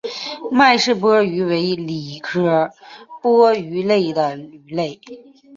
麦氏波鱼为鲤科波鱼属的鱼类。